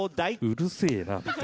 うるせえな。